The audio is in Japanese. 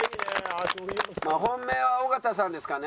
まあ本命は尾形さんですかね。